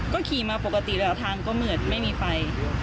ก็ขี่มาปกติแล้วทางก็เหมือนไม่มีไฟ